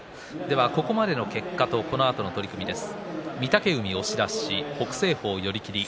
ここまでの結果とこのあとの取組です。